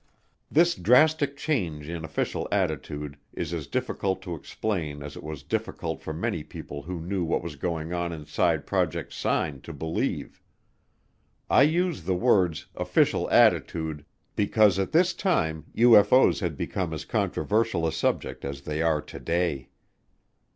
This drastic change in official attitude is as difficult to explain as it was difficult for many people who knew what was going on inside Project Sign to believe. I use the words "official attitude" because at this time UFO's had become as controversial a subject as they are today.